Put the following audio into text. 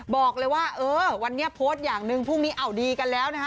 บอกเลยว่าเออวันนี้โพสต์อย่างหนึ่งพรุ่งนี้เอาดีกันแล้วนะฮะ